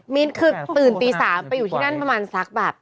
มีนคือตื่นตี๓ไปอยู่ที่นั่นประมาณสักแบบ